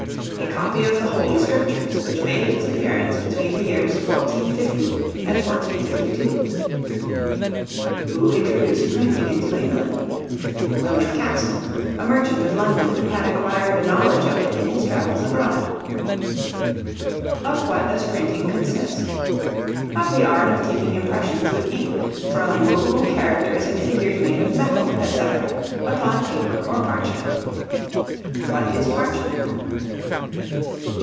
A copy of the Holy Scriptures, which made its appearance between the years 1450 and 1452. Who introduced Printing into England? William Caxton, a merchant of London, who had acquired a knowledge of it in his travels abroad. Of what does Printing consist? Of the art of taking impressions with ink, from movable characters and figures made of metal, &c., upon paper or parchment. What is Parchment?